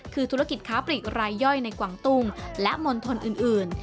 คือธุรกิจค้าปลีกรายย่อยในกวางตุ้งและมณฑลอื่น